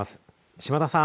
島田さん。